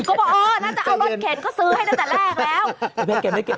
บอกเออน่าจะเอารถเข็นเขาซื้อให้ตั้งแต่แรกแล้ว